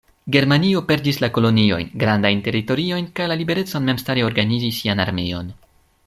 Germanio perdis la koloniojn, grandajn teritoriojn kaj la liberecon memstare organizi sian armeon.